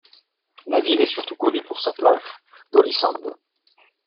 La ville est surtout connue pour sa plage, Tylösand.